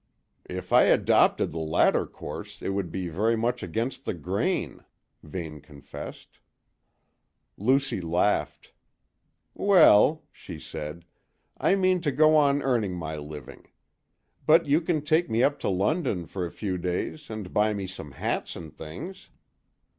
"If I adopted the latter course, it would be very much against the grain," Vane confessed. Lucy laughed. "Well," she said, "I mean to go on earning my living; but you can take me up to London for a few days and buy me some hats and things.